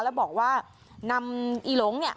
แล้วบอกว่านำอิหลงมาเป็น